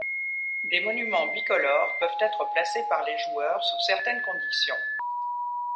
Des monuments bicolores peuvent être placés par les joueurs sous certaines conditions.